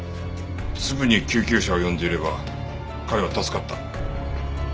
すぐに救急車を呼んでいれば彼は助かった。